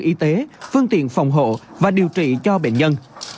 phật tư y tế phương tiện phòng hộ và điều trị cho bệnh nhân